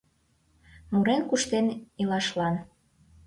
Мурен-куштен илашлан